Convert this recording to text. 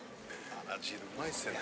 あら汁うまいっすよね。